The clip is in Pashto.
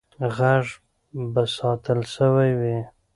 غږ به ساتل سوی وي.